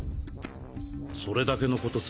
それだけのことさ。